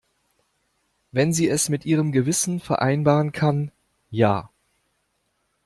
Wenn sie es mit ihrem Gewissen vereinbaren kann, ja.